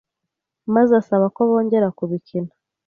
maze asaba ko bongera kubikina